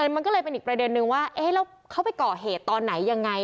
มันก็เลยเป็นอีกประเด็นนึงว่าเอ๊ะแล้วเขาไปก่อเหตุตอนไหนยังไง